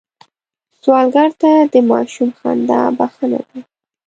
سوالګر ته د ماشوم خندا بښنه ده